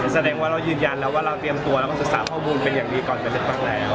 แสดงว่าเรายืนยันแล้วว่าเราเตรียมตัวแล้วก็ศึกษาข้อมูลเป็นอย่างดีก่อนจะเลือกตั้งแล้ว